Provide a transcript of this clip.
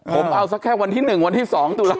ผมเอาสักแค่วันที่๑วันที่๒ตุลาค